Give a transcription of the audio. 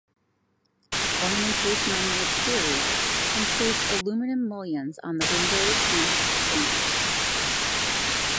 Ornamentation on the exterior includes aluminum mullions on the windows and at the corners.